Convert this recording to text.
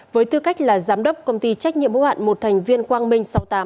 với tư cách là giám đốc công ty trách nhiệm hữu hạn một thành viên quang minh sáu mươi tám